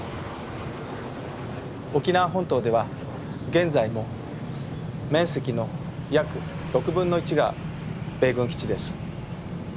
沖縄本島では現在も面積の約６分の１が米軍基地です。